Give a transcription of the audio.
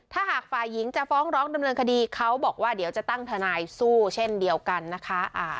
ถ้าหากฝ่ายหญิงจะฟ้องร้องดำเนินคดีเขาบอกว่าเดี๋ยวจะตั้งทนายสู้เช่นเดียวกันนะคะ